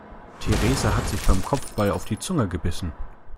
Theresa hat sich beim Kopfball auf die Zunge gebissen.